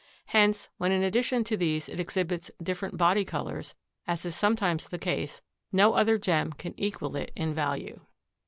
Hence when in addition to these it exhibits different body colors, as is sometimes the case, no other gem can equal it in value.